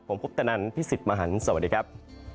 ผมพุทธนันทร์พี่สิทธิ์มหันต์สวัสดีครับ